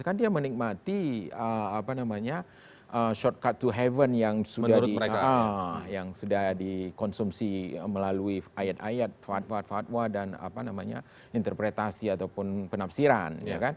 kan dia menikmati shortcut to heaven yang sudah dikonsumsi melalui ayat ayat fatwa dan interpretasi ataupun penafsiran